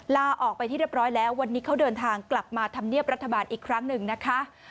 ลาออกไปที่เรียบร้อยแล้ววันนี้เขาเดินทางกลับมาทำเนียบรัฐบาลอีกครั้งหนึ่งนะคะ